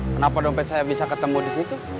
kenapa dompet saya bisa ketemu di situ